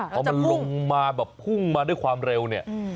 พอมันลงมาแบบพุ่งมาด้วยความเร็วเนี่ย